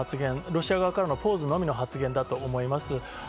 ロシア側からのポーズのみの発言だと思います。